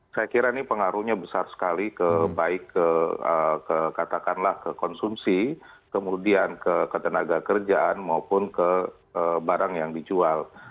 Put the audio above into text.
saya kira ini pengaruhnya besar sekali ke baik ke katakanlah ke konsumsi kemudian ke ketenaga kerjaan maupun ke barang yang dijual